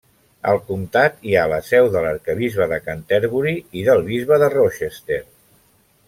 Al comtat hi ha la seu de l'arquebisbe de Canterbury i del bisbe de Rochester.